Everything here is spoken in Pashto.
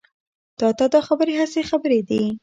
تا ته دا خبرې هسې خبرې دي.